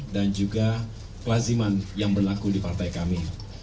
dan juga kelaziman yang berlaku di partai kami